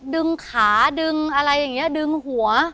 ดึงขาดึงอะไรอย่างนี้ดึงหัว